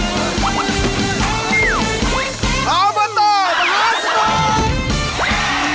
ใกล้แม่น้ำโคงเอลิเงา